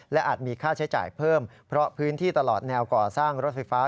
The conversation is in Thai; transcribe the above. และอาจมีค่าใช้จ่ายเพิ่มเพราะพื้นที่ตลอดแนวก่อสร้างรถไฟฟ้า